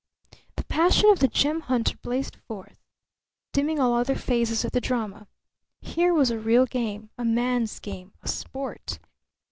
The passion of the gem hunter blazed forth, dimming all other phases of the drama. Here was a real game, a man's game; sport!